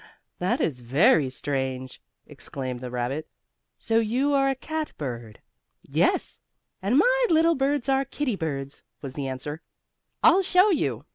That is very strange!" exclaimed the rabbit. "So you are a cat bird." "Yes, and my little birds are kittie birds," was the answer. "I'll show you."